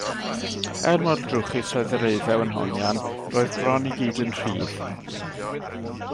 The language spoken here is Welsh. Er mor drwchus oedd yr eiddew yn hongian, roedd bron i gyd yn rhydd.